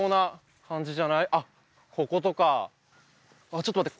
ちょっと待って。